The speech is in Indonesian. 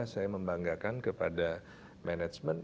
saya membanggakan kepada management